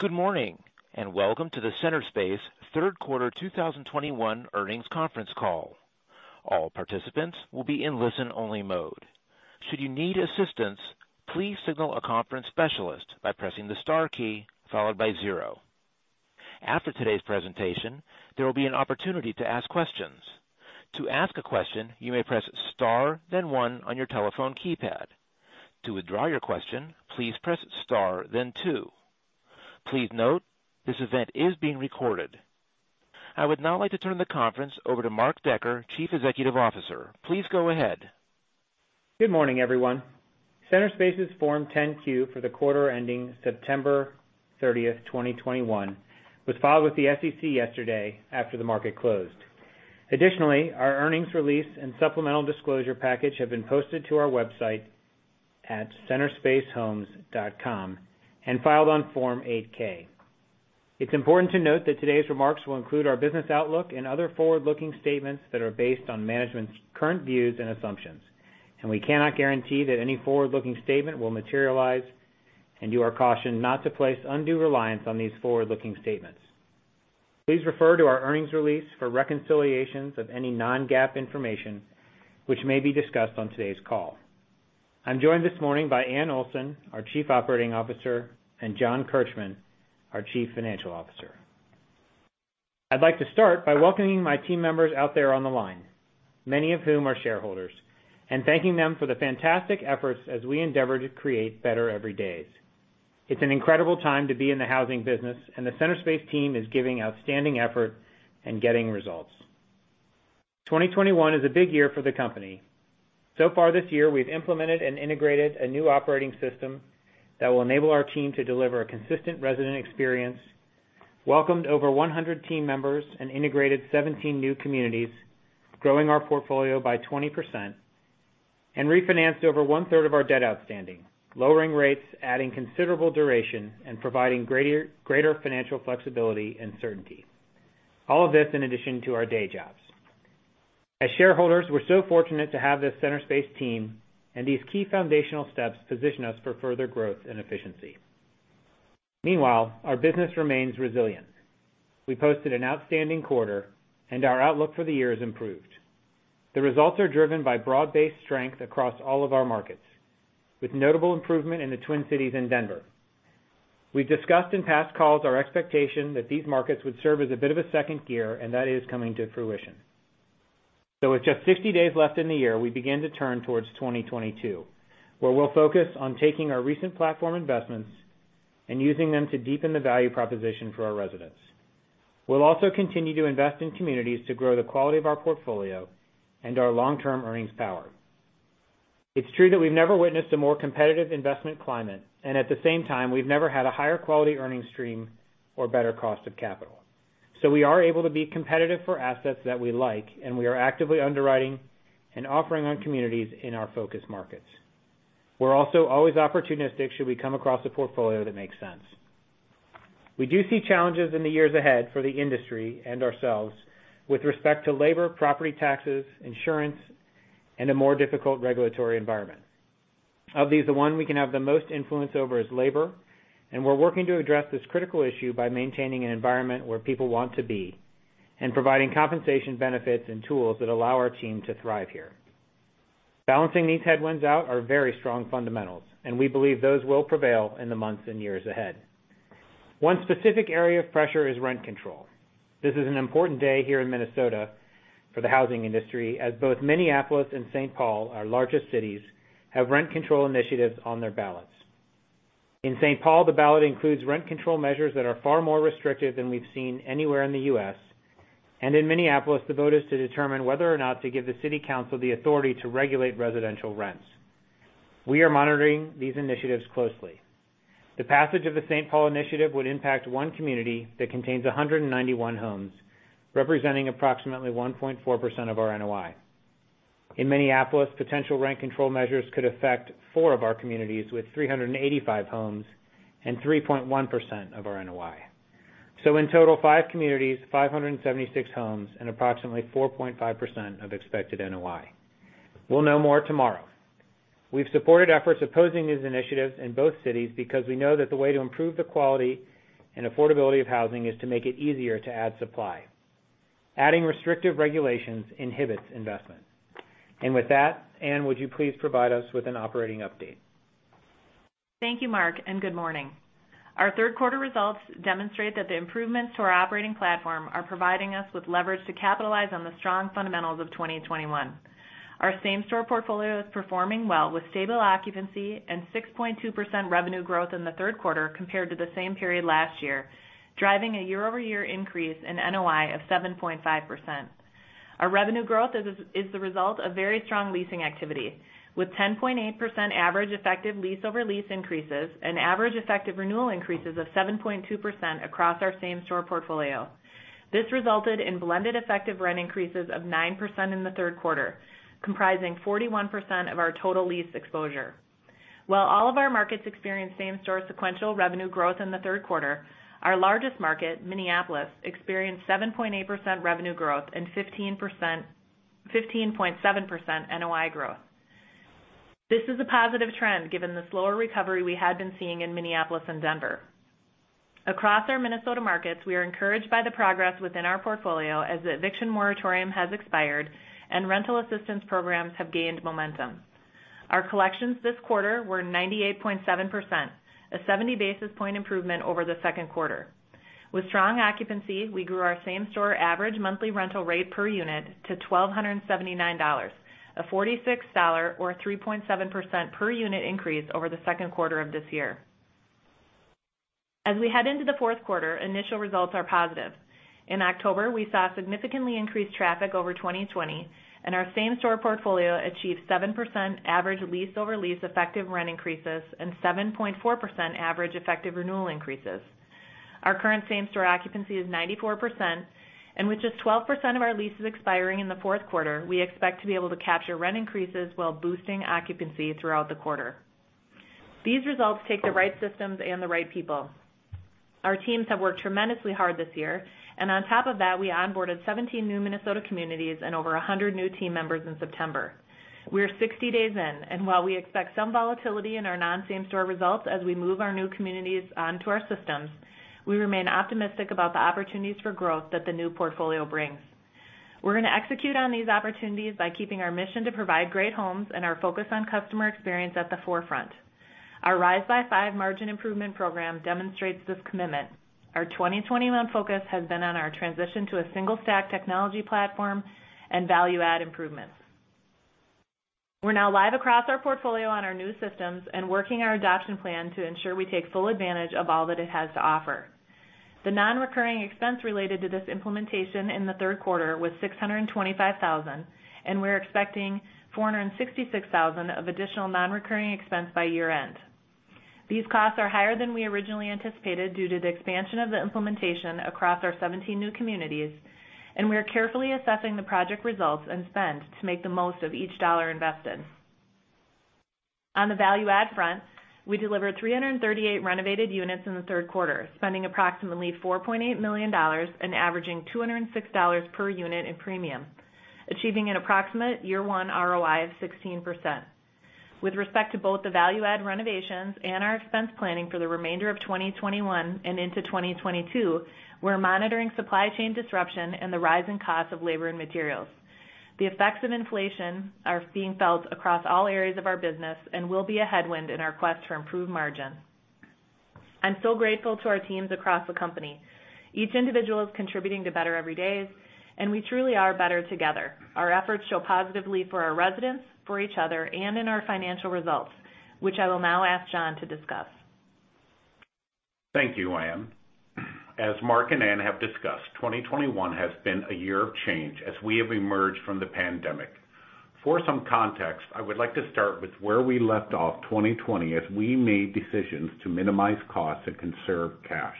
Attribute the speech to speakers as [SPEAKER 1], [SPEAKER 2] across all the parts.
[SPEAKER 1] Good morning, and welcome to the Centerspace Third Quarter 2021 Earnings Conference Call. All participants will be in listen-only mode. Should you need assistance, please signal a conference specialist by pressing the star key followed by zero. After today's presentation, there will be an opportunity to ask questions. To ask a question, you may press star then one on your telephone keypad. To withdraw your question, please press star then two. Please note, this event is being recorded. I would now like to turn the conference over to Mark Decker, Chief Executive Officer. Please go ahead.
[SPEAKER 2] Good morning, everyone. Centerspace's Form 10-Q for the quarter ending September 30, 2021 was filed with the SEC yesterday after the market closed. Additionally, our earnings release and supplemental disclosure package have been posted to our website at centerspacehomes.com and filed on Form 8-K. It's important to note that today's remarks will include our business outlook and other forward-looking statements that are based on management's current views and assumptions. We cannot guarantee that any forward-looking statement will materialize, and you are cautioned not to place undue reliance on these forward-looking statements. Please refer to our earnings release for reconciliations of any non-GAAP information which may be discussed on today's call. I'm joined this morning by Anne M. Olson, our Chief Operating Officer, and John Kirchmann, our Chief Financial Officer. I'd like to start by welcoming my team members out there on the line, many of whom are shareholders, and thanking them for the fantastic efforts as we endeavor to create better every days. It's an incredible time to be in the housing business, and the Centerspace team is giving outstanding effort and getting results. 2021 is a big year for the company. So far this year, we've implemented and integrated a new operating system that will enable our team to deliver a consistent resident experience, welcomed over 100 team members, and integrated 17 new communities, growing our portfolio by 20%, and refinanced over 1/3 of our debt outstanding, lowering rates, adding considerable duration, and providing greater financial flexibility and certainty. All of this in addition to our day jobs. As shareholders, we're so fortunate to have this Centerspace team and these key foundational steps position us for further growth and efficiency. Meanwhile, our business remains resilient. We posted an outstanding quarter, and our outlook for the year has improved. The results are driven by broad-based strength across all of our markets, with notable improvement in the Twin Cities and Denver. We've discussed in past calls our expectation that these markets would serve as a bit of a second gear, and that is coming to fruition. With just 60 days left in the year, we begin to turn towards 2022, where we'll focus on taking our recent platform investments and using them to deepen the value proposition for our residents. We'll also continue to invest in communities to grow the quality of our portfolio and our long-term earnings power. It's true that we've never witnessed a more competitive investment climate, and at the same time, we've never had a higher quality earnings stream or better cost of capital. We are able to be competitive for assets that we like, and we are actively underwriting and offering on communities in our focus markets. We're also always opportunistic should we come across a portfolio that makes sense. We do see challenges in the years ahead for the industry and ourselves with respect to labor, property taxes, insurance, and a more difficult regulatory environment. Of these, the one we can have the most influence over is labor, and we're working to address this critical issue by maintaining an environment where people want to be and providing compensation benefits and tools that allow our team to thrive here. Balancing these headwinds out are very strong fundamentals, and we believe those will prevail in the months and years ahead. One specific area of pressure is rent control. This is an important day here in Minnesota for the housing industry, as both Minneapolis and St. Paul, our largest cities, have rent control initiatives on their ballots. In St. Paul, the ballot includes rent control measures that are far more restrictive than we've seen anywhere in the U.S. In Minneapolis, the vote is to determine whether or not to give the city council the authority to regulate residential rents. We are monitoring these initiatives closely. The passage of the St. Paul initiative would impact one community that contains 191 homes, representing approximately 1.4% of our NOI. In Minneapolis, potential rent control measures could affect 4 of our communities with 385 homes and 3.1% of our NOI. In total, 5 communities, 576 homes, and approximately 4.5% of expected NOI. We'll know more tomorrow. We've supported efforts opposing these initiatives in both cities because we know that the way to improve the quality and affordability of housing is to make it easier to add supply. Adding restrictive regulations inhibits investment. With that, Anne, would you please provide us with an operating update?
[SPEAKER 3] Thank you, Mark, and good morning. Our third quarter results demonstrate that the improvements to our operating platform are providing us with leverage to capitalize on the strong fundamentals of 2021. Our same-store portfolio is performing well with stable occupancy and 6.2% revenue growth in the third quarter compared to the same period last year, driving a year-over-year increase in NOI of 7.5%. Our revenue growth is the result of very strong leasing activity with 10.8% average effective lease over lease increases and average effective renewal increases of 7.2% across our same-store portfolio. This resulted in blended effective rent increases of 9% in the third quarter, comprising 41% of our total lease exposure. While all of our markets experienced same-store sequential revenue growth in the third quarter, our largest market, Minneapolis, experienced 7.8% revenue growth and 15.7% NOI growth. This is a positive trend given the slower recovery we had been seeing in Minneapolis and Denver. Across our Minnesota markets, we are encouraged by the progress within our portfolio as the eviction moratorium has expired and rental assistance programs have gained momentum. Our collections this quarter were 98.7%, a 70 basis point improvement over the second quarter. With strong occupancy, we grew our same-store average monthly rental rate per unit to $1,279, a $46 or 3.7% per unit increase over the second quarter of this year. As we head into the fourth quarter, initial results are positive. In October, we saw significantly increased traffic over 2020, and our same-store portfolio achieved 7% average lease over lease effective rent increases and 7.4% average effective renewal increases. Our current same-store occupancy is 94%, and with just 12% of our leases expiring in the fourth quarter, we expect to be able to capture rent increases while boosting occupancy throughout the quarter. These results take the right systems and the right people. Our teams have worked tremendously hard this year, and on top of that, we onboarded 17 new Minnesota communities and over 100 new team members in September. We are 60 days in, and while we expect some volatility in our non-same store results as we move our new communities onto our systems, we remain optimistic about the opportunities for growth that the new portfolio brings. We're gonna execute on these opportunities by keeping our mission to provide great homes and our focus on customer experience at the forefront. Our Rise by Five margin improvement program demonstrates this commitment. Our 2021 focus has been on our transition to a single stack technology platform and value add improvements. We're now live across our portfolio on our new systems and working our adoption plan to ensure we take full advantage of all that it has to offer. The non-recurring expense related to this implementation in the third quarter was $625,000, and we're expecting $466,000 of additional non-recurring expense by year-end. These costs are higher than we originally anticipated due to the expansion of the implementation across our 17 new communities, and we are carefully assessing the project results and spend to make the most of each dollar invested. On the value add front, we delivered 338 renovated units in the third quarter, spending approximately $4.8 million and averaging $206 per unit in premium, achieving an approximate year one ROI of 16%. With respect to both the value add renovations and our expense planning for the remainder of 2021 and into 2022, we're monitoring supply chain disruption and the rise in costs of labor and materials. The effects of inflation are being felt across all areas of our business and will be a headwind in our quest to improve margin. I'm so grateful to our teams across the company. Each individual is contributing to better every day, and we truly are better together. Our efforts show positively for our residents, for each other, and in our financial results, which I will now ask John to discuss.
[SPEAKER 4] Thank you, Anne. As Mark and Anne have discussed, 2021 has been a year of change as we have emerged from the pandemic. For some context, I would like to start with where we left off 2020 as we made decisions to minimize costs and conserve cash.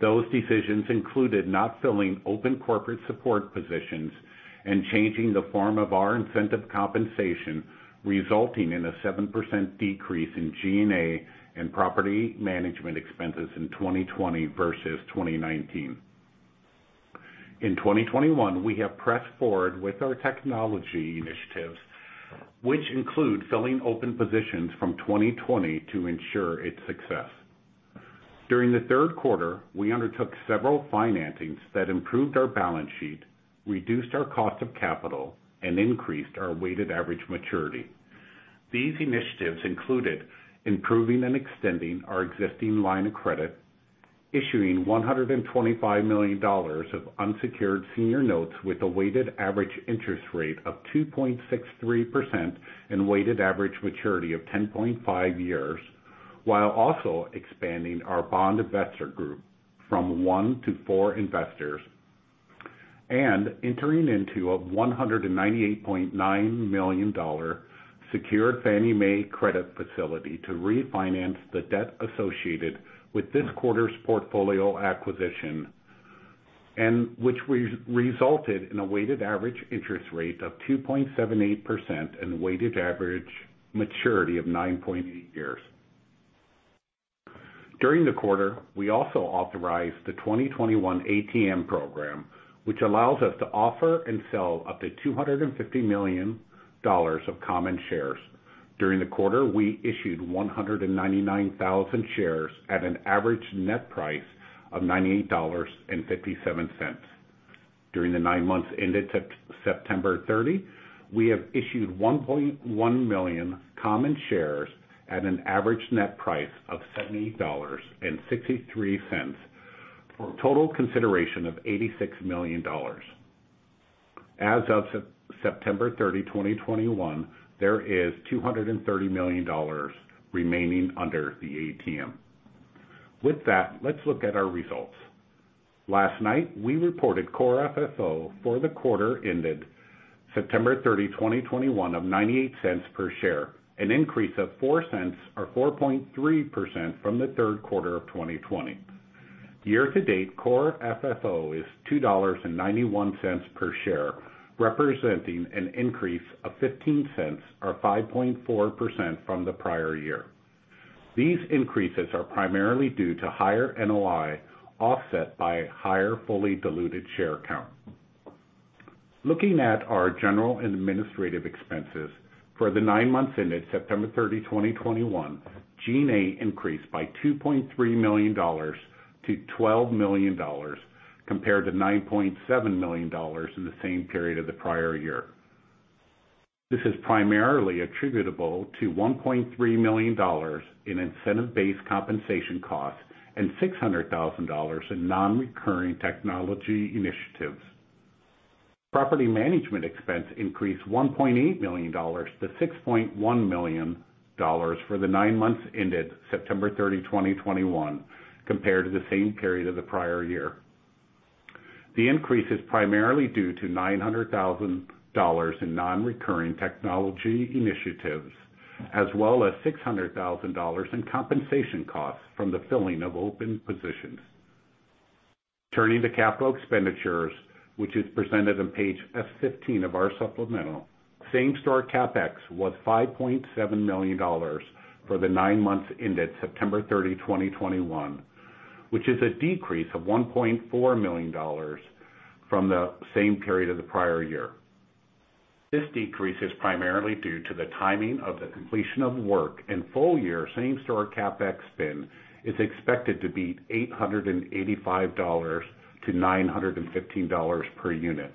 [SPEAKER 4] Those decisions included not filling open corporate support positions and changing the form of our incentive compensation, resulting in a 7% decrease in G&A and property management expenses in 2020 versus 2019. In 2021, we have pressed forward with our technology initiatives, which include filling open positions from 2020 to ensure its success. During the third quarter, we undertook several financings that improved our balance sheet, reduced our cost of capital, and increased our weighted average maturity. These initiatives included improving and extending our existing line of credit, issuing $125 million of unsecured senior notes with a weighted average interest rate of 2.63% and weighted average maturity of 10.5 years, while also expanding our bond investor group from one to four investors. Entering into a $198.9 million secured Fannie Mae credit facility to refinance the debt associated with this quarter's portfolio acquisition and which resulted in a weighted average interest rate of 2.78% and weighted average maturity of 9.8 years. During the quarter, we also authorized the 2021 ATM program, which allows us to offer and sell up to $250 million of common shares. During the quarter, we issued 199,000 shares at an average net price of $98.57. During the nine months ended September 30, we have issued 1.1 million common shares at an average net price of $70.63 for a total consideration of $86 million. As of September 30, 2021, there is $230 million remaining under the ATM. With that, let's look at our results. Last night, we reported core FFO for the quarter ended September 30, 2021 of $0.98 per share, an increase of $0.04 or 4.3% from the third quarter of 2020. Year to date, Core FFO is $2.91 per share, representing an increase of $0.15 or 5.4% from the prior year. These increases are primarily due to higher NOI offset by higher fully diluted share count. Looking at our general and administrative expenses for the nine months ended September 30, 2021, G&A increased by $2.3 million to $12 million compared to $9.7 million in the same period of the prior year. This is primarily attributable to $1.3 million in incentive-based compensation costs and $600,000 in non-recurring technology initiatives. Property management expense increased $1.8 million to $6.1 million for the nine months ended September 30, 2021, compared to the same period of the prior year. The increase is primarily due to $900,000 in non-recurring technology initiatives, as well as $600,000 in compensation costs from the filling of open positions. Turning to capital expenditures, which is presented on page S-15 of our supplemental. Same-store CapEx was $5.7 million for the nine months ended September 30, 2021, which is a decrease of $1.4 million from the same period of the prior year. This decrease is primarily due to the timing of the completion of work and full-year same-store CapEx spend is expected to be $885-$915 per unit,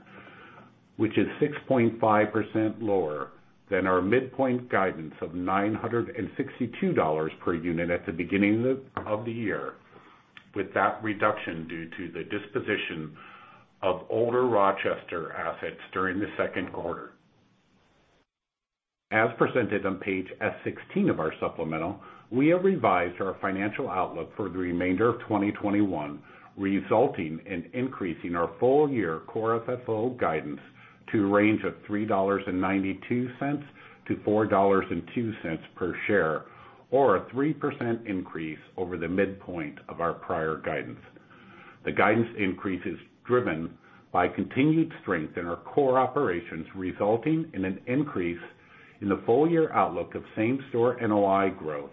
[SPEAKER 4] which is 6.5% lower than our midpoint guidance of $962 per unit at the beginning of the year, with that reduction due to the disposition of older Rochester assets during the second quarter. As presented on page S-16 of our supplemental, we have revised our financial outlook for the remainder of 2021, resulting in increasing our full-year Core FFO guidance to a range of $3.92-$4.02 per share, or a 3% increase over the midpoint of our prior guidance. The guidance increase is driven by continued strength in our core operations, resulting in an increase in the full-year outlook of same-store NOI growth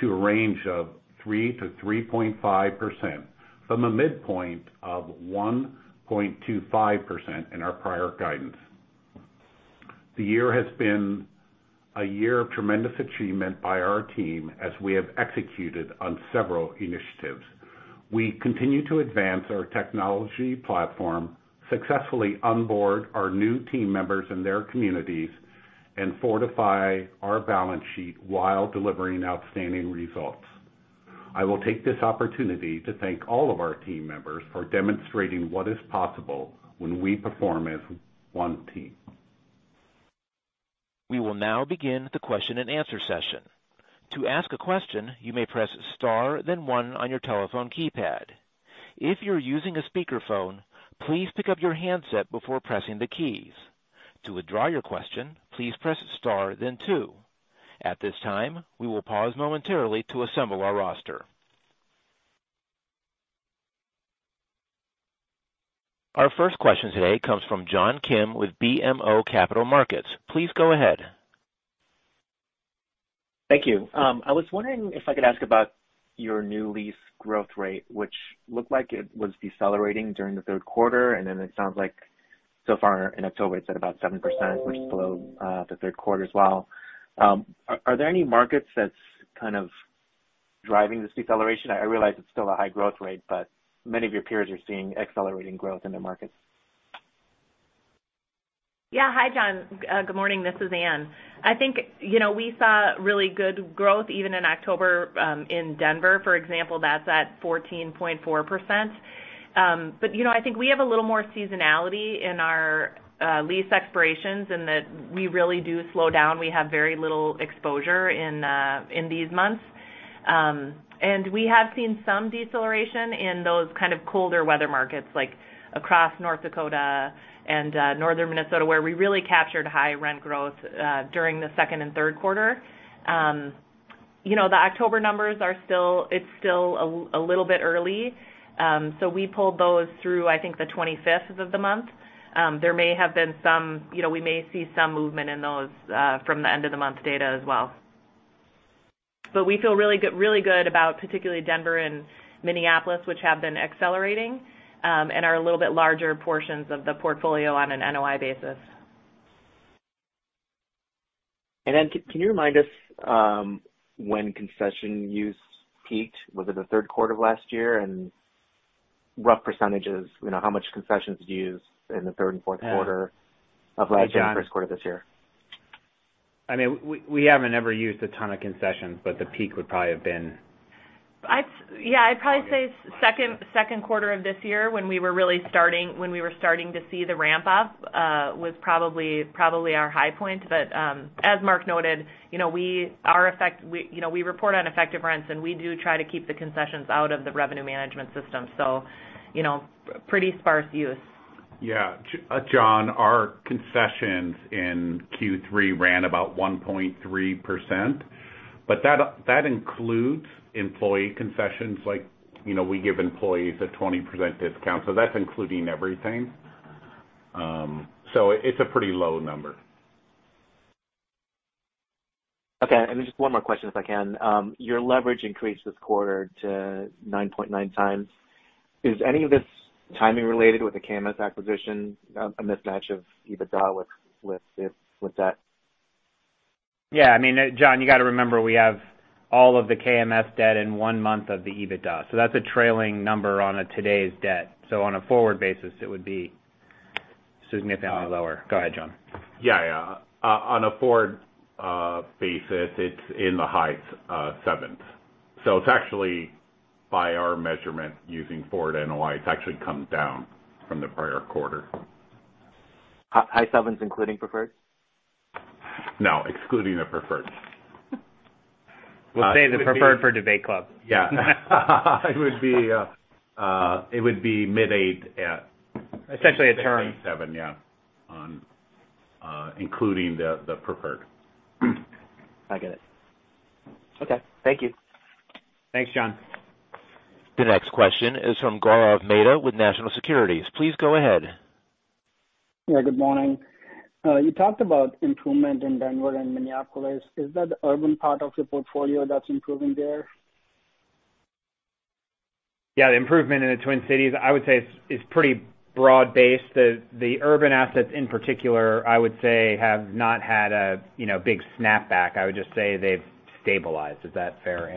[SPEAKER 4] to a range of 3%-3.5% from a midpoint of 1.25% in our prior guidance. The year has been a year of tremendous achievement by our team as we have executed on several initiatives. We continue to advance our technology platform, successfully onboard our new team members in their communities, and fortify our balance sheet while delivering outstanding results. I will take this opportunity to thank all of our team members for demonstrating what is possible when we perform as one team.
[SPEAKER 1] We will now begin the question and answer session. To ask a question, you may press Star, then one on your telephone keypad. If you're using a speakerphone, please pick up your handset before pressing the keys. To withdraw your question, please press Star then two. At this time, we will pause momentarily to assemble our roster. Our first question today comes from John Kim with BMO Capital Markets. Please go ahead.
[SPEAKER 5] Thank you. I was wondering if I could ask about your new lease growth rate, which looked like it was decelerating during the third quarter, and then it sounds like so far in October, it's at about 7%, which is below the third quarter as well. Are there any markets that's kind of driving this deceleration? I realize it's still a high growth rate, but many of your peers are seeing accelerating growth in their markets.
[SPEAKER 3] Yeah. Hi, John. Good morning. This is Anne. I think, you know, we saw really good growth even in October, in Denver, for example, that's at 14.4%. You know, I think we have a little more seasonality in our lease expirations in that we really do slow down. We have very little exposure in these months. We have seen some deceleration in those kind of colder weather markets like across North Dakota and northern Minnesota, where we really captured high rent growth during the second and third quarter. You know, the October numbers are still a little bit early. We pulled those through, I think, the 25th of the month. There may have been some, you know, we may see some movement in those, from the end of the month data as well. We feel really good about particularly Denver and Minneapolis, which have been accelerating, and are a little bit larger portions of the portfolio on an NOI basis.
[SPEAKER 5] Can you remind us when concession use peaked? Was it the third quarter of last year? Rough percentages, you know, how much concessions did you use in the third and fourth quarter of last year and first quarter this year?
[SPEAKER 4] Yeah. I mean, we haven't ever used a ton of concessions, but the peak would probably have been.
[SPEAKER 3] Yeah, I'd probably say second quarter of this year when we were starting to see the ramp up was probably our high point. As Mark noted, you know, we report on effective rents, and we do try to keep the concessions out of the revenue management system. You know, pretty sparse use.
[SPEAKER 4] Yeah. John, our concessions in Q3 ran about 1.3%, but that includes employee concessions like, you know, we give employees a 20% discount, so that's including everything. It's a pretty low number.
[SPEAKER 5] Okay. Just one more question if I can. Your leverage increased this quarter to 9.9x. Is any of this timing related with the KMS acquisition, a mismatch of EBITDA with that?
[SPEAKER 2] Yeah. I mean, John, you gotta remember we have all of the KMS debt in one month of the EBITDA, so that's a trailing number on today's debt. On a forward basis, it would be significantly lower. Go ahead, John.
[SPEAKER 4] On a forward basis, it's in the high sevens. It's actually by our measurement using forward NOI, it's actually come down from the prior quarter.
[SPEAKER 5] High sevens including preferred?
[SPEAKER 4] No, excluding the preferred.
[SPEAKER 2] We'll save the preferred for debate club.
[SPEAKER 4] Yeah. It would be mid-eight at-
[SPEAKER 2] Essentially a term.
[SPEAKER 4] 87, yeah, on, including the preferred.
[SPEAKER 5] I get it. Okay. Thank you.
[SPEAKER 2] Thanks, John.
[SPEAKER 1] The next question is from Gaurav Mehta with National Securities. Please go ahead.
[SPEAKER 6] Yeah, good morning. You talked about improvement in Denver and Minneapolis. Is that the urban part of your portfolio that's improving there?
[SPEAKER 2] Yeah, the improvement in the Twin Cities, I would say it's pretty broad-based. The urban assets in particular, I would say, have not had a, you know, big snapback. I would just say they've stabilized. Is that fair,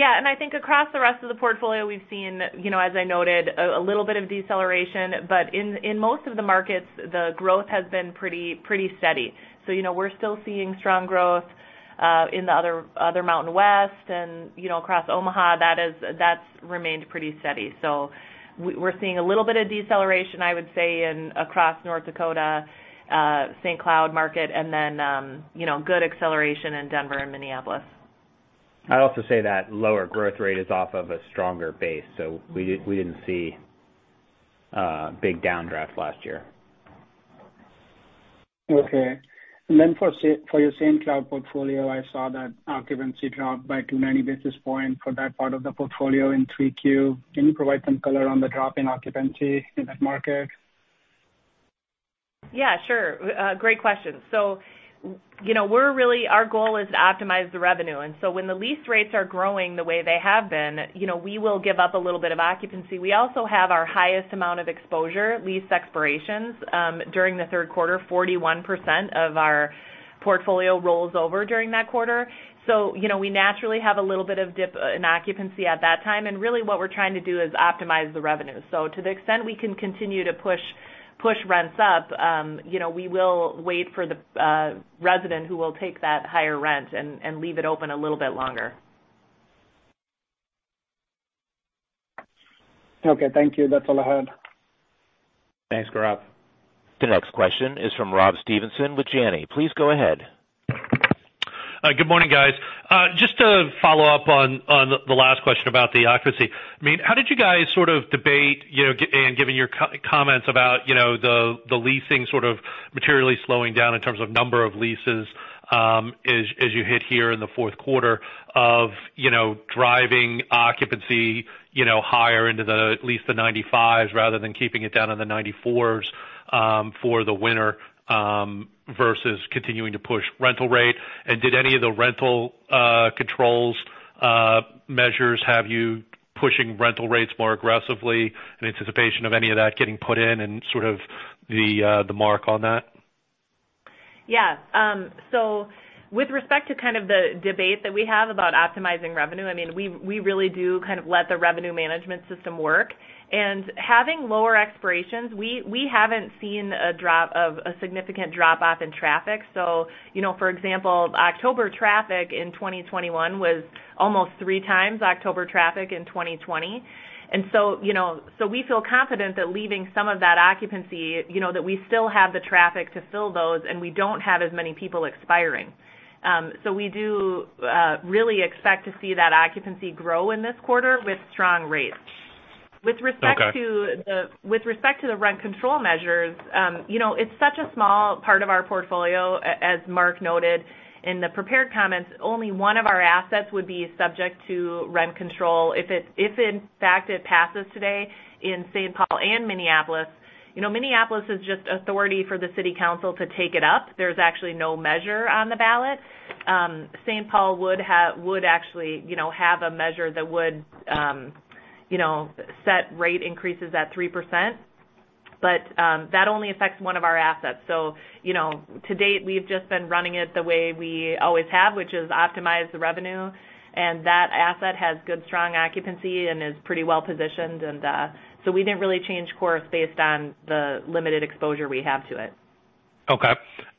[SPEAKER 2] Anne?
[SPEAKER 3] I think across the rest of the portfolio, we've seen, you know, as I noted, a little bit of deceleration. In most of the markets, the growth has been pretty steady. You know, we're still seeing strong growth in the other Mountain West and, you know, across Omaha. That's remained pretty steady. We're seeing a little bit of deceleration, I would say, in across North Dakota, St. Cloud market and then, you know, good acceleration in Denver and Minneapolis.
[SPEAKER 2] I'd also say that lower growth rate is off of a stronger base, so we didn't see big downdrafts last year.
[SPEAKER 6] Okay. Then for your St. Cloud portfolio, I saw that occupancy dropped by 200 basis points for that part of the portfolio in 3Q. Can you provide some color on the drop in occupancy in that market?
[SPEAKER 3] Yeah, sure. Great question. You know, we're really our goal is to optimize the revenue. When the lease rates are growing the way they have been, you know, we will give up a little bit of occupancy. We also have our highest amount of exposure lease expirations during the third quarter. 41% of our portfolio rolls over during that quarter. You know, we naturally have a little bit of dip in occupancy at that time. Really what we're trying to do is optimize the revenue. To the extent we can continue to push rents up, you know, we will wait for the resident who will take that higher rent and leave it open a little bit longer.
[SPEAKER 6] Okay, thank you. That's all I had.
[SPEAKER 2] Thanks, Gaurav.
[SPEAKER 1] The next question is from Rob Stevenson with Janney. Please go ahead.
[SPEAKER 7] Good morning, guys. Just to follow up on the last question about the occupancy. I mean, how did you guys sort of debate, you know, given your comments about, you know, the leasing sort of materially slowing down in terms of number of leases, as you hit here in the fourth quarter driving occupancy higher into the 95s rather than keeping it down in the 94s for the winter versus continuing to push rental rate. Did any of the rental control measures have you pushing rental rates more aggressively in anticipation of any of that getting put in and sort of the mark on that?
[SPEAKER 3] Yeah. With respect to kind of the debate that we have about optimizing revenue, I mean, we really do kind of let the revenue management system work. Having lower expirations, we haven't seen a significant drop-off in traffic. You know, for example, October traffic in 2021 was almost 3x October traffic in 2020. You know, so we feel confident that leaving some of that occupancy, you know, that we still have the traffic to fill those, and we don't have as many people expiring. We really expect to see that occupancy grow in this quarter with strong rates.
[SPEAKER 7] With respect to the rent control measures, it's such a small part of our portfolio. As Mark noted in the prepared comments, only one of our assets would be subject to rent control if in fact it passes today in St. Paul and Minneapolis. Minneapolis is just authorizing the city council to take it up. There's actually no measure on the ballot. St. Paul would actually have a measure that would set rate increases at 3%. That only affects one of our assets.
[SPEAKER 3] You know, to date, we've just been running it the way we always have, which is optimize the revenue, and that asset has good, strong occupancy and is pretty well-positioned and, so we didn't really change course based on the limited exposure we have to it.
[SPEAKER 7] Okay.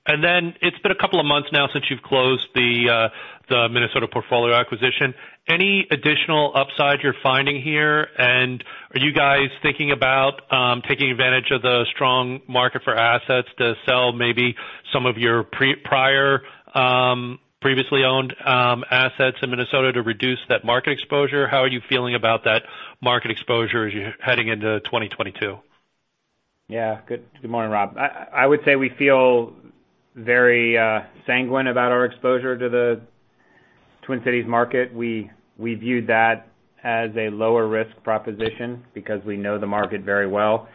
[SPEAKER 7] It's been a couple of months now since you've closed the Minnesota portfolio acquisition. Any additional upside you're finding here? Are you guys thinking about taking advantage of the strong market for assets to sell maybe some of your previously owned assets in Minnesota to reduce that market exposure? How are you feeling about that market exposure as you're heading into 2022?
[SPEAKER 2] Yeah. Good morning, Rob. I would say we feel very sanguine about our exposure to the Twin Cities market. We viewed that as a lower risk proposition because we know the market very well.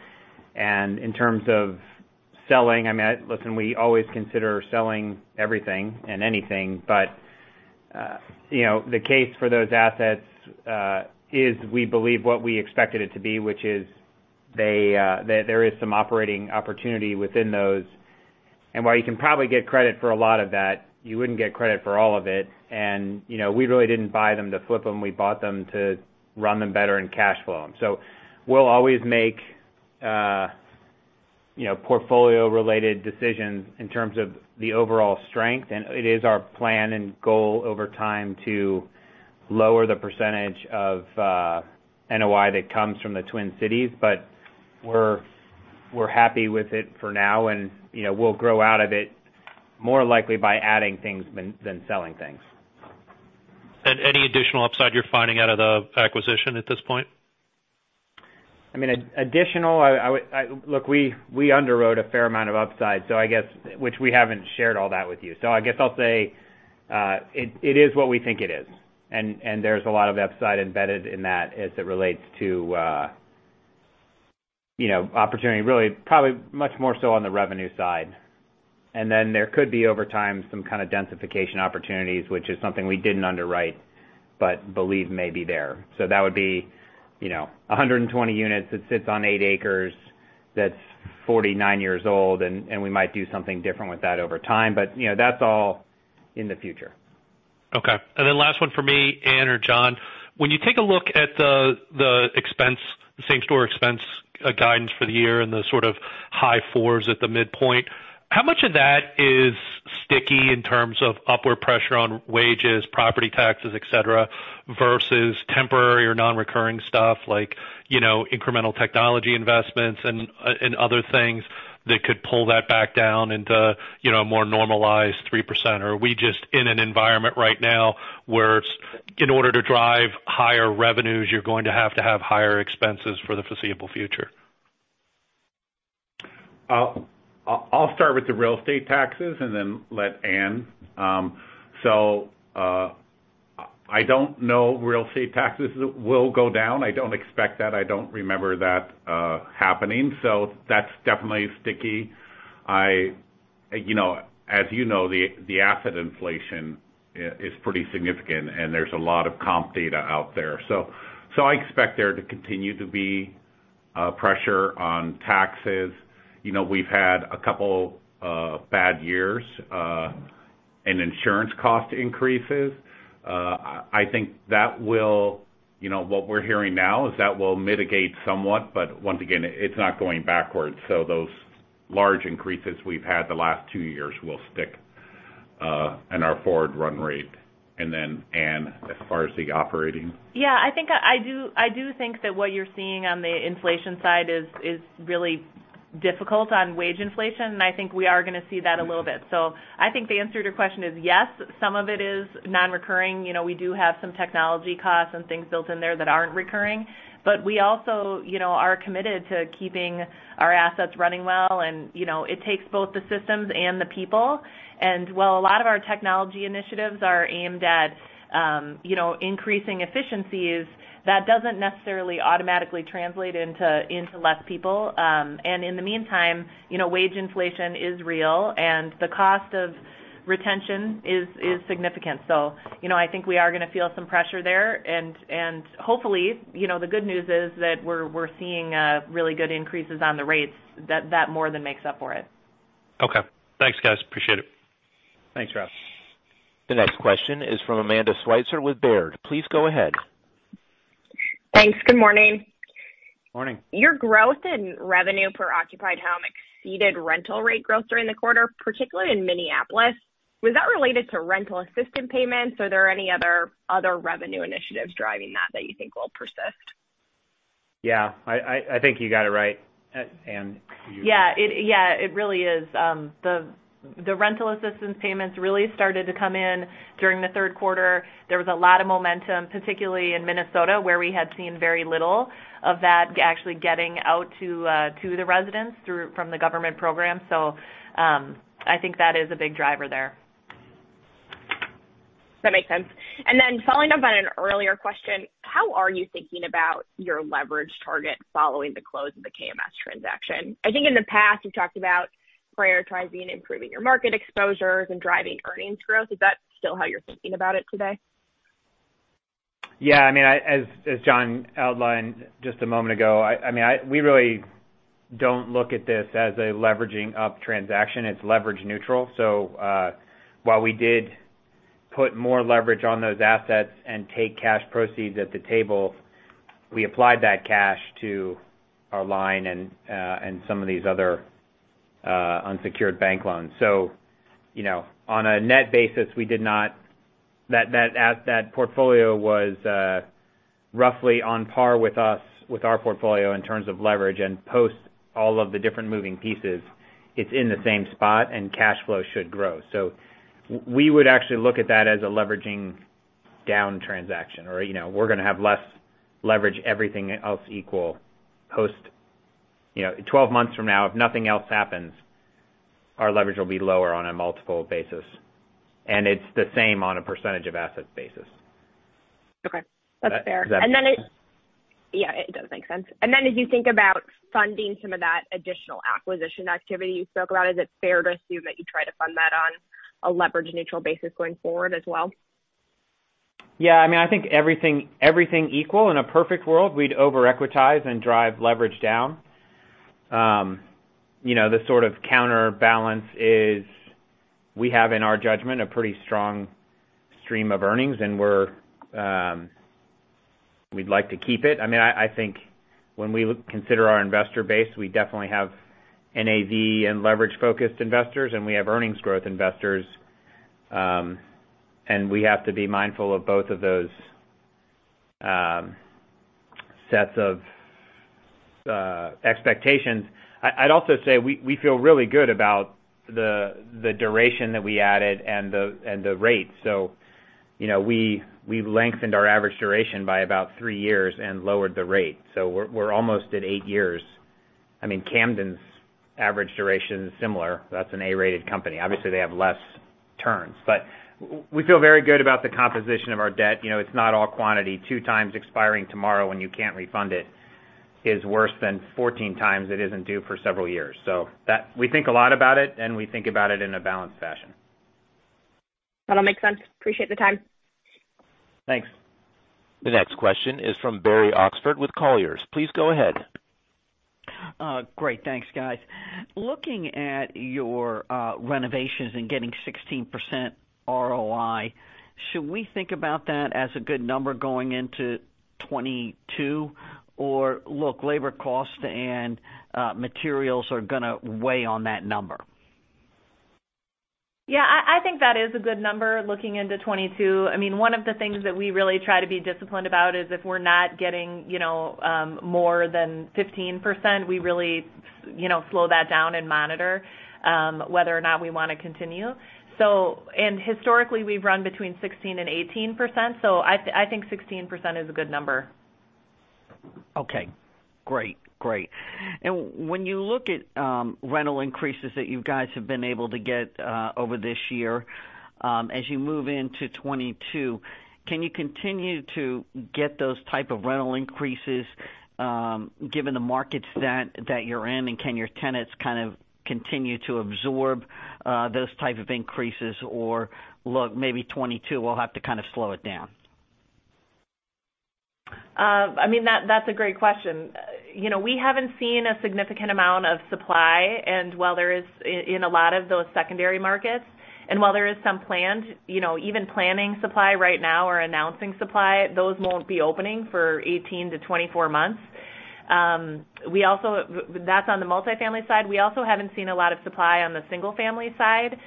[SPEAKER 2] In terms of selling, I mean, listen, we always consider selling everything and anything, but you know, the case for those assets is we believe what we expected it to be, which is that there is some operating opportunity within those. While you can probably get credit for a lot of that, you wouldn't get credit for all of it. You know, we really didn't buy them to flip them. We bought them to run them better in cash flow. We'll always make you know, portfolio-related decisions in terms of the overall strength. It is our plan and goal over time to lower the percentage of NOI that comes from the Twin Cities. We're happy with it for now. You know, we'll grow out of it more likely by adding things than selling things.
[SPEAKER 7] Any additional upside you're finding out of the acquisition at this point?
[SPEAKER 2] I mean, look, we underwrote a fair amount of upside, which we haven't shared all that with you. I guess I'll say it is what we think it is, and there's a lot of upside embedded in that as it relates to you know, opportunity, really probably much more so on the revenue side. Then there could be, over time, some kind of densification opportunities, which is something we didn't underwrite but believe may be there. That would be, you know, 120 units that sits on 8 acres, that's 49 years old, and we might do something different with that over time. You know, that's all in the future.
[SPEAKER 7] Okay. Last one for me, Anne or John. When you take a look at the expense, the same-store expense guidance for the year and the sort of high 4s at the midpoint, how much of that is sticky in terms of upward pressure on wages, property taxes, et cetera, versus temporary or non-recurring stuff like, you know, incremental technology investments and other things that could pull that back down into, you know, a more normalized 3%? Or are we just in an environment right now where it's, in order to drive higher revenues, you're going to have to have higher expenses for the foreseeable future?
[SPEAKER 4] I'll start with the real estate taxes and then let Anne. I don't know real estate taxes will go down. I don't expect that. I don't remember that happening. That's definitely sticky. You know, as you know, the asset inflation is pretty significant, and there's a lot of comp data out there. I expect there to continue to be pressure on taxes. You know, we've had a couple of bad years in insurance cost increases. I think that will mitigate somewhat. You know, what we're hearing now is that will mitigate somewhat, but once again, it's not going backwards. Those large increases we've had the last two years will stick in our forward run rate. Anne, as far as the operating.
[SPEAKER 3] Yeah, I think I do think that what you're seeing on the inflation side is really difficult on wage inflation, and I think we are gonna see that a little bit. I think the answer to your question is yes, some of it is non-recurring. You know, we do have some technology costs and things built in there that aren't recurring. But we also, you know, are committed to keeping our assets running well, and, you know, it takes both the systems and the people. And while a lot of our technology initiatives are aimed at, you know, increasing efficiencies, that doesn't necessarily automatically translate into less people. And in the meantime, you know, wage inflation is real and the cost of retention is significant. You know, I think we are gonna feel some pressure there, and hopefully, you know, the good news is that we're seeing really good increases on the rates that more than makes up for it.
[SPEAKER 7] Okay. Thanks, guys. Appreciate it.
[SPEAKER 2] Thanks, Rob.
[SPEAKER 1] The next question is from Amanda Sweitzer with Baird. Please go ahead.
[SPEAKER 8] Thanks. Good morning.
[SPEAKER 2] Morning.
[SPEAKER 8] Your growth in revenue per occupied home exceeded rental rate growth during the quarter, particularly in Minneapolis. Was that related to rental assistance payments, or are there any other revenue initiatives driving that you think will persist?
[SPEAKER 2] Yeah, I think you got it right. Anne, you-
[SPEAKER 3] Yeah, it really is. The rental assistance payments really started to come in during the third quarter. There was a lot of momentum, particularly in Minnesota, where we had seen very little of that actually getting out to the residents from the government program. I think that is a big driver there.
[SPEAKER 8] That makes sense. Following up on an earlier question, how are you thinking about your leverage target following the close of the KMS transaction? I think in the past, you've talked about prioritizing improving your market exposures and driving earnings growth. Is that still how you're thinking about it today?
[SPEAKER 2] Yeah, I mean, as John outlined just a moment ago, we really don't look at this as a leveraging up transaction. It's leverage neutral. While we did put more leverage on those assets and take cash proceeds at the table, we applied that cash to our line and some of these other unsecured bank loans. You know, on a net basis, we did not. As that portfolio was roughly on par with our portfolio in terms of leverage and post all of the different moving pieces, it's in the same spot and cash flow should grow. We would actually look at that as a leveraging down transaction or, you know, we're gonna have less leverage, everything else equal post, you know, 12 months from now, if nothing else happens. Our leverage will be lower on a multiple basis, and it's the same on a percentage of assets basis.
[SPEAKER 8] Okay. That's fair. Yeah, it does make sense. As you think about funding some of that additional acquisition activity you spoke about, is it fair to assume that you try to fund that on a leverage-neutral basis going forward as well?
[SPEAKER 2] Yeah. I mean, I think everything equal in a perfect world, we'd over-equitize and drive leverage down. You know, the sort of counterbalance is we have, in our judgment, a pretty strong stream of earnings, and we'd like to keep it. I mean, I think when we consider our investor base, we definitely have NAV and leverage-focused investors, and we have earnings growth investors, and we have to be mindful of both of those sets of expectations. I'd also say we feel really good about the duration that we added and the rate. You know, we've lengthened our average duration by about three years and lowered the rate. We're almost at eight years. I mean, Camden's average duration is similar. That's an A-rated company. Obviously, they have less turns. We feel very good about the composition of our debt. You know, it's not all quantity. 2x expiring tomorrow and you can't refund it is worse than 14x it isn't due for several years. We think a lot about it, and we think about it in a balanced fashion.
[SPEAKER 8] That all makes sense. Appreciate the time.
[SPEAKER 2] Thanks.
[SPEAKER 1] The next question is from Barry Oxford with Colliers. Please go ahead.
[SPEAKER 9] Great. Thanks, guys. Looking at your renovations and getting 16% ROI, should we think about that as a good number going into 2022? Look, labor costs and materials are gonna weigh on that number.
[SPEAKER 3] Yeah, I think that is a good number looking into 2022. I mean, one of the things that we really try to be disciplined about is if we're not getting, you know, more than 15%, we really, you know, slow that down and monitor whether or not we wanna continue. Historically, we've run between 16% and 18%, so I think 16% is a good number.
[SPEAKER 9] Okay. Great. When you look at rental increases that you guys have been able to get over this year, as you move into 2022, can you continue to get those type of rental increases, given the markets that you're in, and can your tenants kind of continue to absorb those type of increases? Or look, maybe 2022 we'll have to kind of slow it down.
[SPEAKER 3] I mean, that's a great question. You know, we haven't seen a significant amount of supply, and while there is in a lot of those secondary markets, and while there is some planned, you know, even planning supply right now or announcing supply, those won't be opening for 18-24 months. We also. That's on the multifamily side. We also haven't seen a lot of supply on the single family side,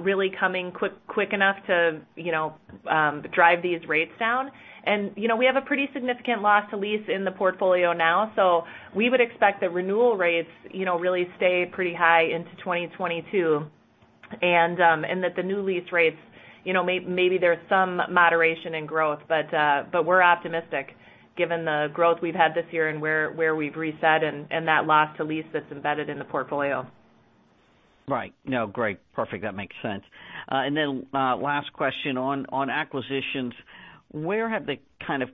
[SPEAKER 3] really coming quick enough to, you know, drive these rates down. You know, we have a pretty significant loss-to-lease in the portfolio now, so we would expect the renewal rates, you know, really stay pretty high into 2022, and that the new lease rates, you know, maybe there's some moderation in growth. We're optimistic given the growth we've had this year and where we've reset and that loss-to-lease that's embedded in the portfolio.
[SPEAKER 9] Right. No, great. Perfect. That makes sense. Last question on acquisitions. Where have the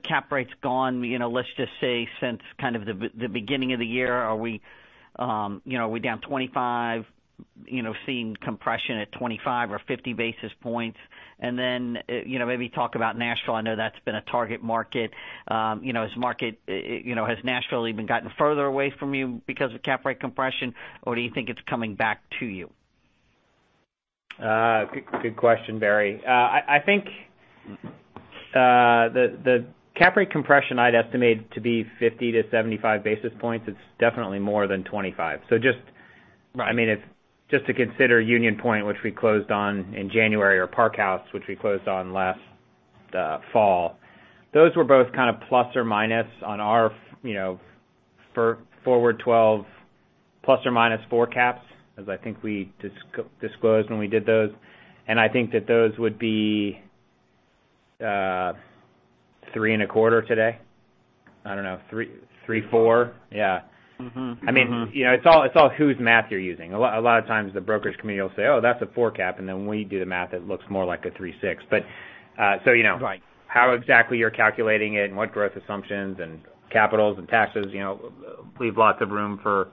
[SPEAKER 9] cap rates gone, you know, let's just say since the beginning of the year? Are we down 25, you know, seeing compression at 25 or 50 basis points? Maybe talk about Nashville. I know that's been a target market. You know, has Nashville even gotten further away from you because of cap rate compression, or do you think it's coming back to you?
[SPEAKER 2] Good question, Barry. I think the cap rate compression I'd estimate to be 50 basis points-75 basis points. It's definitely more than 25. Just, I mean, it's just to consider Union Point, which we closed on in January, or Parkhouse, which we closed on last fall. Those were both kind of plus or minus on our, you know, forward 12 ±4 caps, as I think we disclosed when we did those. I think that those would be 3.25% today. I don't know, 3%-3.4%. I mean, you know, it's all whose math you're using. A lot of times the brokers come in, you'll say, "Oh, that's a 4 cap," and then when we do the math, it looks more like a 3.6. You know, how exactly you're calculating it and what growth assumptions and capitals and taxes, you know, leave lots of room for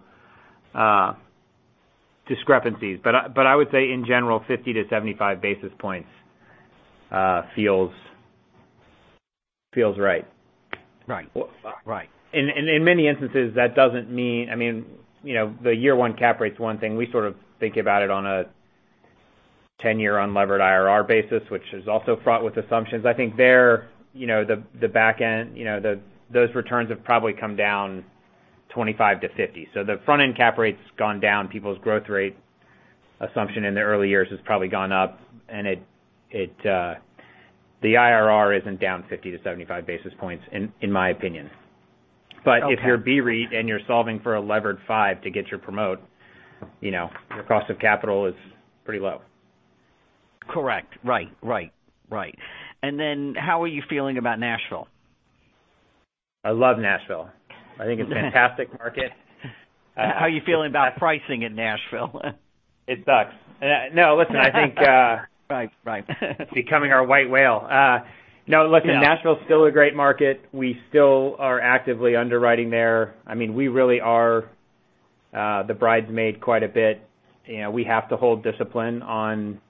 [SPEAKER 2] discrepancies. I would say in general, 50-75 basis points feels right.
[SPEAKER 9] In many instances, that doesn't mean. I mean, you know, the year one cap rate's one thing. We sort of think about it on a 10-year unlevered IRR basis, which is also fraught with assumptions. I think there, you know, the back end, you know, those returns have probably come down 25-50. The front end cap rate's gone down. People's growth rate assumption in the early years has probably gone up, and it, the IRR isn't down 50-75 basis points in my opinion. But, if you're BREIT and you're solving for a levered 5 to get your promote, you know, your cost of capital is pretty low. Correct. Right. How are you feeling about Nashville?
[SPEAKER 2] I love Nashville. I think it's a fantastic market.
[SPEAKER 9] How are you feeling about pricing in Nashville?
[SPEAKER 2] It sucks. No, listen, I think,
[SPEAKER 9] Right, right.
[SPEAKER 2] It's becoming our white whale. No, listen. Nashville is still a great market. We still are actively underwriting there. I mean, we really are the bridesmaid quite a bit. You know, we have to hold discipline on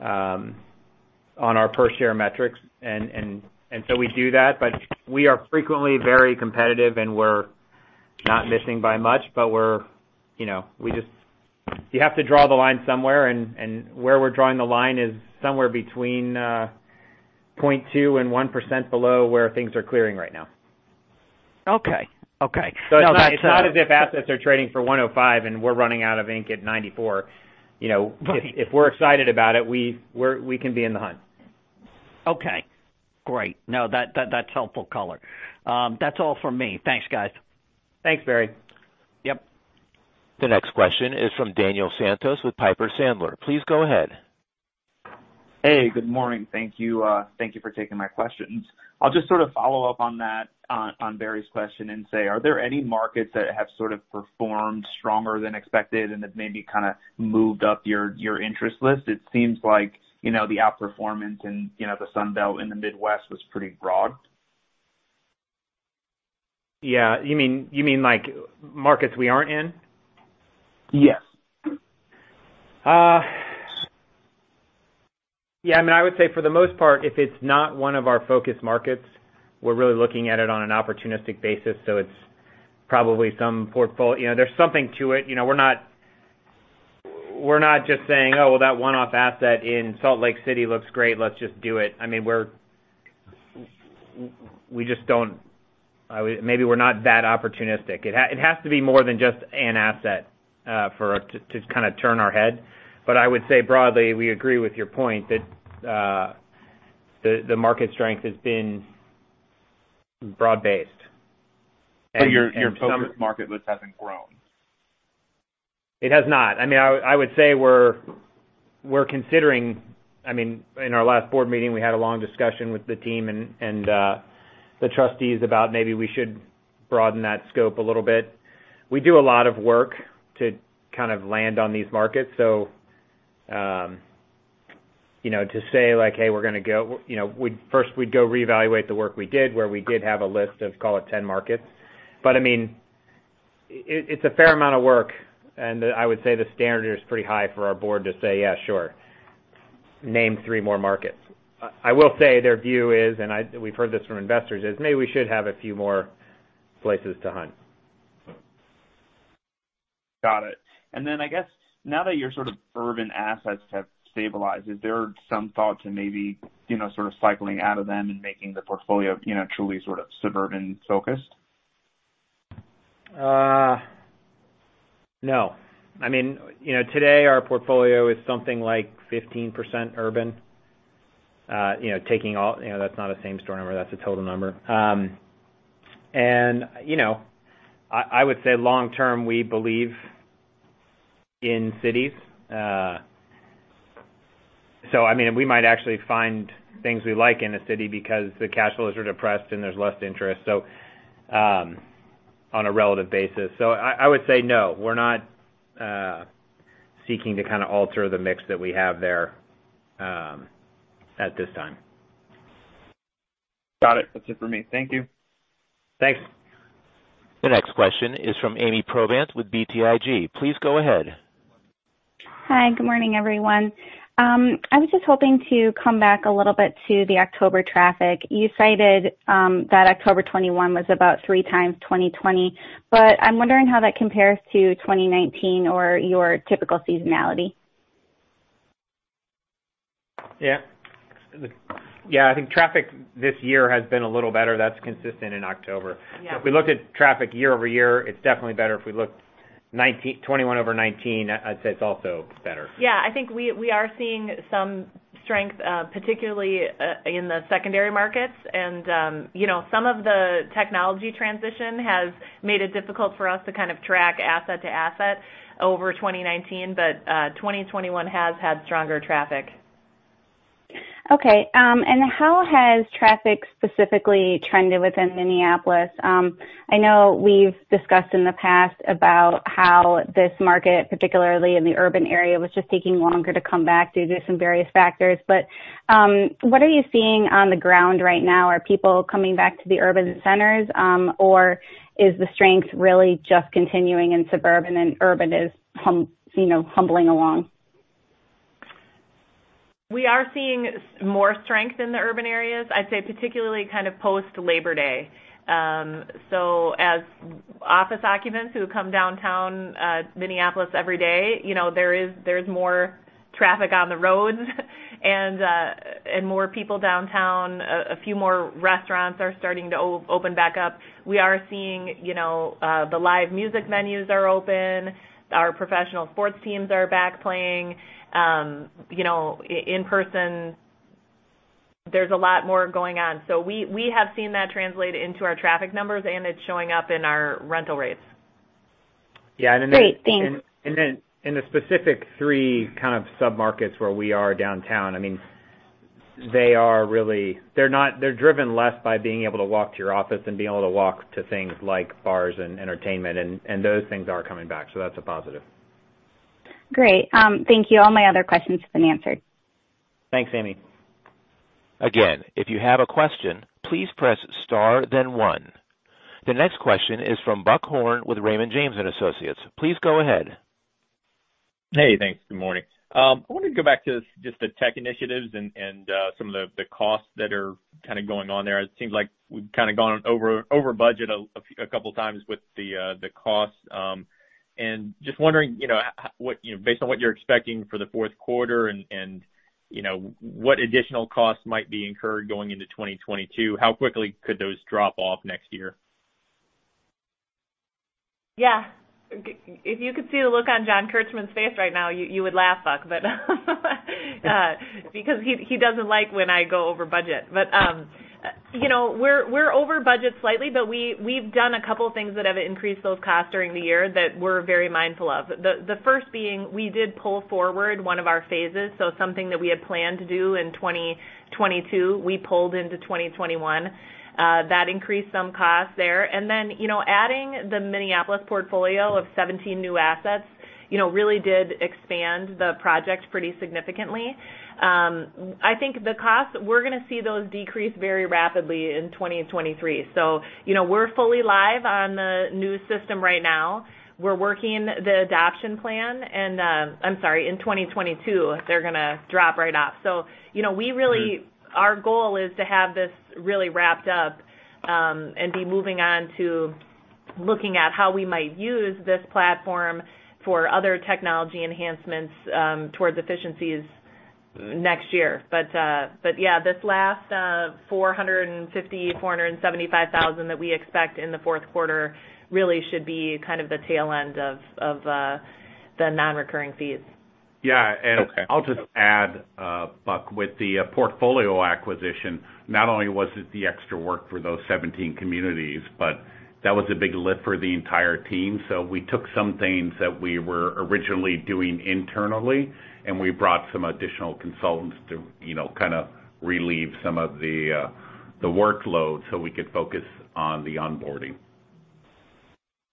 [SPEAKER 2] our per-share metrics. So we do that, but we are frequently very competitive, and we're not missing by much, but we're you know we just you have to draw the line somewhere, and where we're drawing the line is somewhere between 0.2% and 1% below where things are clearing right now.
[SPEAKER 9] Okay. No, that's
[SPEAKER 2] It's not as if assets are trading for 105 and we're running out of ink at 94. You know if we're excited about it, we can be in the hunt.
[SPEAKER 9] Okay. Great. No, that's helpful color. That's all for me. Thanks, guys.
[SPEAKER 2] Thanks, Barry.
[SPEAKER 9] Yep.
[SPEAKER 1] The next question is from Daniel Santos with Piper Sandler. Please go ahead.
[SPEAKER 10] Hey, good morning. Thank you. Thank you for taking my questions. I'll just sort of follow up on that, on Barry's question and say, are there any markets that have sort of performed stronger than expected and that maybe kind of moved up your interest list? It seems like, you know, the outperformance in, you know, the Sun Belt in the Midwest was pretty broad.
[SPEAKER 2] Yeah. You mean, like, markets we aren't in?
[SPEAKER 10] Yes.
[SPEAKER 2] Yeah, I mean, I would say for the most part, if it's not one of our focus markets, we're really looking at it on an opportunistic basis. It's probably some, you know, there's something to it. You know, we're not just saying, "Oh, well, that one-off asset in Salt Lake City looks great, let's just do it." I mean, we just don't. Maybe we're not that opportunistic. It has to be more than just an asset for us to kind of turn our head. I would say broadly, we agree with your point that the market strength has been broad-based.
[SPEAKER 10] Your focus market list hasn't grown.
[SPEAKER 2] It has not. I mean, I would say we're considering. I mean, in our last board meeting, we had a long discussion with the team and the trustees about maybe we should broaden that scope a little bit. We do a lot of work to kind of land on these markets. You know, to say like, "Hey, we're gonna go," you know, we'd first go reevaluate the work we did where we did have a list of, call it 10 markets. I mean, it's a fair amount of work, and I would say the standard is pretty high for our board to say, "Yeah, sure. Name 3 more markets." I will say their view is, we've heard this from investors, is maybe we should have a few more places to hunt.
[SPEAKER 10] Got it. I guess now that your sort of urban assets have stabilized, is there some thought to maybe, you know, sort of cycling out of them and making the portfolio, you know, truly sort of suburban-focused?
[SPEAKER 2] No. I mean, you know, today our portfolio is something like 15% urban, you know, taking all. You know, that's not a same-store number, that's a total number. I would say long term, we believe in cities. I mean, we might actually find things we like in a city because the cash flows are depressed and there's less interest, so on a relative basis. I would say no, we're not seeking to kind of alter the mix that we have there, at this time.
[SPEAKER 10] Got it. That's it for me. Thank you.
[SPEAKER 2] Thanks.
[SPEAKER 1] The next question is from Ami Probandt with BTIG. Please go ahead.
[SPEAKER 11] Hi. Good morning, everyone. I was just hoping to come back a little bit to the October traffic. You cited that October 2021 was about 3x 2020, but I'm wondering how that compares to 2019 or your typical seasonality.
[SPEAKER 2] Yeah. Yeah, I think traffic this year has been a little better. That's consistent in October.
[SPEAKER 3] Yeah.
[SPEAKER 2] If we looked at traffic year-over-year, it's definitely better. If we looked 2021 over 2019, I'd say it's also better.
[SPEAKER 3] Yeah. I think we are seeing some strength, particularly, in the secondary markets. You know, some of the technology transition has made it difficult for us to kind of track asset to asset over 2019. 2021 has had stronger traffic.
[SPEAKER 11] Okay, how has traffic specifically trended within Minneapolis? I know we've discussed in the past about how this market, particularly in the urban area, was just taking longer to come back due to some various factors. What are you seeing on the ground right now? Are people coming back to the urban centers, or is the strength really just continuing in suburban and urban is humming along?
[SPEAKER 3] We are seeing more strength in the urban areas, I'd say particularly kind of post-Labor Day. As office occupants who come downtown, Minneapolis every day, there's more traffic on the roads and more people downtown. A few more restaurants are starting to open back up. We are seeing the live music venues are open. Our professional sports teams are back playing in person. There's a lot more going on. We have seen that translate into our traffic numbers, and it's showing up in our rental rates. Yeah. Great. Thanks.
[SPEAKER 2] Then in the specific three kind of sub-markets where we are downtown, I mean, they're driven less by being able to walk to your office than being able to walk to things like bars and entertainment, and those things are coming back, so that's a positive.
[SPEAKER 11] Great. Thank you. All my other questions have been answered.
[SPEAKER 2] Thanks, Ami.
[SPEAKER 1] Again, if you have a question, please press star then one. The next question is from Buck Horne with Raymond James & Associates. Please go ahead.
[SPEAKER 12] Hey, thanks. Good morning. I wanted to go back to just the tech initiatives and some of the costs that are kind of going on there. It seems like we've kind of gone over budget a couple times with the cost. Just wondering, you know, what, you know, based on what you're expecting for the fourth quarter and, you know, what additional costs might be incurred going into 2022, how quickly could those drop off next year?
[SPEAKER 3] Yeah. If you could see the look on John Kirchmann's face right now, you would laugh, Buck, but because he doesn't like when I go over budget. You know, we're over budget slightly, but we've done a couple things that have increased those costs during the year that we're very mindful of. The first being we did pull forward one of our phases, so something that we had planned to do in 2022, we pulled into 2021. That increased some costs there. Then, you know, adding the Minneapolis portfolio of 17 new assets, you know, really did expand the project pretty significantly. I think the cost, we're gonna see those decrease very rapidly in 2023. You know, we're fully live on the new system right now. We're working the adoption plan and I'm sorry, in 2022, they're gonna drop right off. You know, our goal is to have this really wrapped up and be moving on to looking at how we might use this platform for other technology enhancements towards efficiencies next year. Yeah, this last $475,000 that we expect in the fourth quarter really should be kind of the tail end of the non-recurring fees.
[SPEAKER 4] Yeah.
[SPEAKER 12] Okay.
[SPEAKER 4] I'll just add, Buck, with the portfolio acquisition, not only was it the extra work for those 17 communities, but that was a big lift for the entire team. We took some things that we were originally doing internally, and we brought some additional consultants to, you know, kind of relieve some of the workload so we could focus on the onboarding.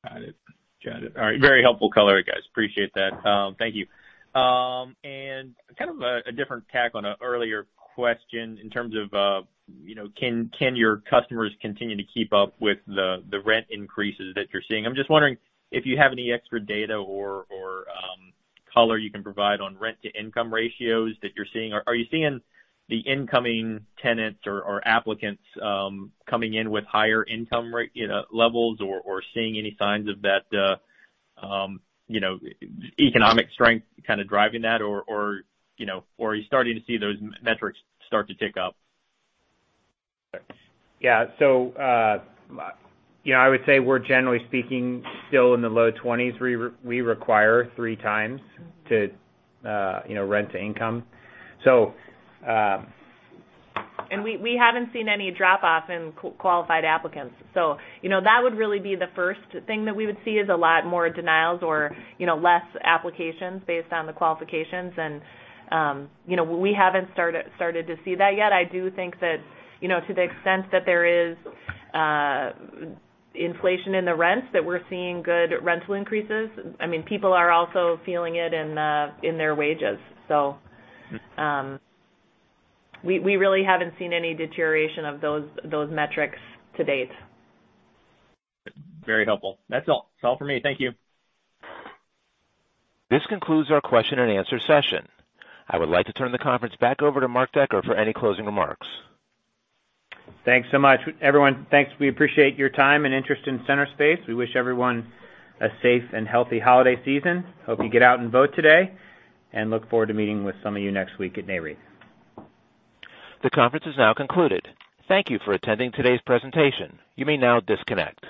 [SPEAKER 12] Got it. All right. Very helpful color, guys. Appreciate that. Thank you. Kind of a different tack on an earlier question in terms of, you know, can your customers continue to keep up with the rent increases that you're seeing? I'm just wondering if you have any extra data or color you can provide on rent-to-income ratios that you're seeing. Are you seeing the incoming tenants or applicants coming in with higher income levels or seeing any signs of that economic strength kind of driving that or are you starting to see those metrics start to tick up?
[SPEAKER 3] Yeah. You know, I would say we're generally speaking still in the low 20s. We require 3x rent to income. We haven't seen any drop off in qualified applicants. You know, that would really be the first thing that we would see is a lot more denials or, you know, less applications based on the qualifications. You know, we haven't started to see that yet. I do think that, you know, to the extent that there is inflation in the rents, that we're seeing good rental increases. I mean, people are also feeling it in their wages. We really haven't seen any deterioration of those metrics to date.
[SPEAKER 12] Very helpful. That's all. That's all for me. Thank you.
[SPEAKER 1] This concludes our question and answer session. I would like to turn the conference back over to Mark Decker for any closing remarks.
[SPEAKER 2] Thanks so much. Everyone, thanks. We appreciate your time and interest in Centerspace. We wish everyone a safe and healthy holiday season. Hope you get out and vote today, and look forward to meeting with some of you next week at Nareit.
[SPEAKER 1] The conference is now concluded. Thank you for attending today's presentation. You may now disconnect.